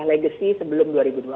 legacy sebelum dua ribu dua puluh